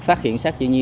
phát hiện sát chị nhi